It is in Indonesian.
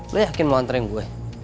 lu yakin mau anterin gue